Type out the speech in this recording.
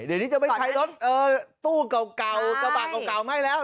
เดี๋ยวนี้จะไม่ใช้รถตู้เก่าไก่เก่าไม่แล้ว